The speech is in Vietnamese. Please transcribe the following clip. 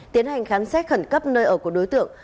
tiến hành khám xét khẩn cấp nơi ở của đối tượng